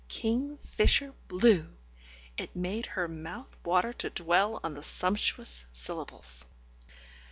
Kingfisher blue! It made her mouth water to dwell on the sumptuous syllables!